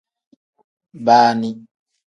Baani.